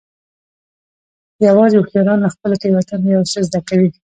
یوازې هوښیاران له خپلو تېروتنو یو څه زده کوي.